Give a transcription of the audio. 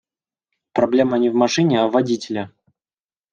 Проблема не в машине, а в водителе.